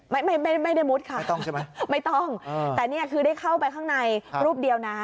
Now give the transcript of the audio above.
ไม่ไม่ไม่ได้มุดค่ะไม่ต้องใช่ไหมไม่ต้องแต่เนี่ยคือได้เข้าไปข้างในรูปเดียวนะ